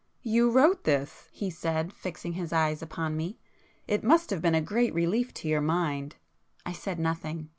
"You wrote this!" he said, fixing his eyes upon me,—"It must have been a great relief to your mind!" I said nothing.